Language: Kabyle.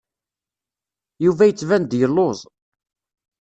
Yuba yettban-d yelluẓ.